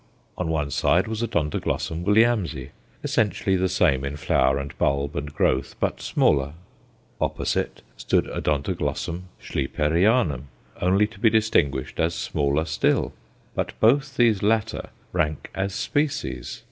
On one side was Od. Williamsi, essentially the same in flower and bulb and growth, but smaller; opposite stood Od. Schlieperianum, only to be distinguished as smaller still. But both these latter rank as species.